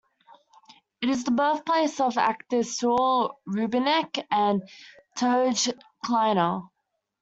It is the birthplace of actors Saul Rubinek and Towje Kleiner.